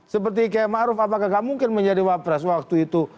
seperti kiai ma'ruf apakah tidak mungkin menjadi wakil presiden waktu itu